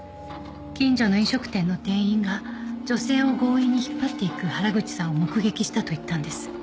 近所の飲食店の店員が女性を強引に引っ張っていく原口さんを目撃したと言ったんです。